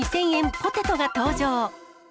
ポテトが登場。